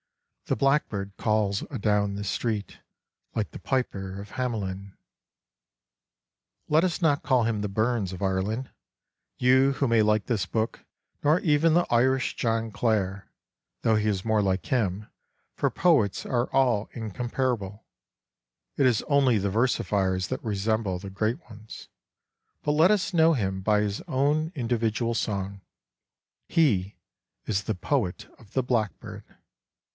The blackbird calls adown the street, Like the piper of Hamelin." Let us not call him the Burns of Ireland, you who may like this book, nor even the Irish John Clare, though he is more like him, for poets are all incomparable (it is only the versifiers that resemble the great ones), but let us know him by his own individual song : he is the poet of the blackbird.